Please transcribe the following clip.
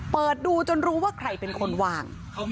เปิดดูจนรู้ว่าใครเป็นคนวาง